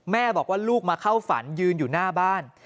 แม่บอกว่าลูกมาเข้าฝันยืนอยู่หน้าบ้าน